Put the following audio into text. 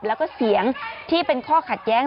แล้วก็เสียงที่เป็นข้อขัดแย้ง